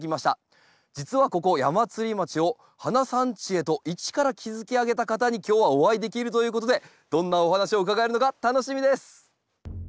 実はここ矢祭町を花産地へと一から築き上げた方に今日はお会いできるということでどんなお話を伺えるのか楽しみです。